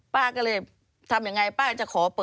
ป้าก็เลยทำยังไงป้าจะขอเปิด